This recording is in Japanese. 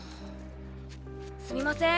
すみません